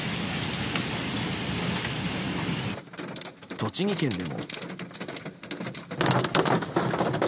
栃木県でも。